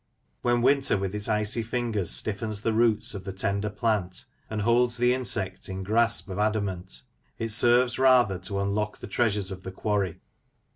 When winter with its icy fingers stiffens the roots of the tender plant, and holds the insect in grasp of adamant, it serves rather to unlock the treasures of the quarry.